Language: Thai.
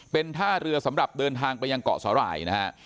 เป็นท่าเรือสำหรับเดินทางไปยังเกาะสาหร่ายนะฮะ